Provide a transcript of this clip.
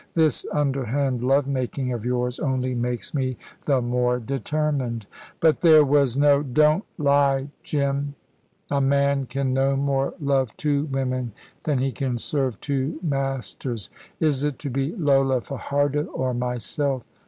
"This underhand love making of yours only makes me the more determined." "But there was no " "Don't lie, Jim. A man can no more love two women than he can serve two masters. Is it to be Lola Fajardo, or myself?"